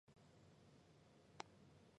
解夫娄迁都之后国号东扶余。